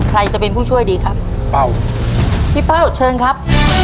ใครจะเป็นผู้ช่วยดีครับเป้าพี่เป้าเชิญครับ